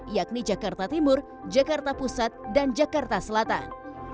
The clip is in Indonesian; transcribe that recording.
yakni jakarta timur jakarta pusat dan jakarta selatan